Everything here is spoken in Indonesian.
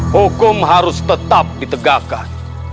hukum harus tetap ditegakkan